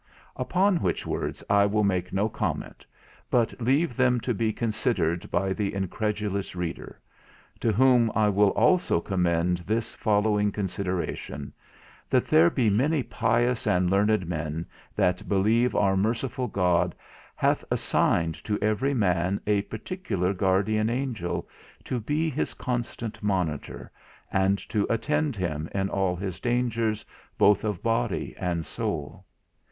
Upon which words I will make no comment, but leave them to be considered by the incredulous reader; to whom I will also commend this following consideration: That there be many pious and learned men that believe our merciful God hath assigned to every man a particular guardian angel to be his constant monitor, and to attend him in all his dangers, both of body and soul.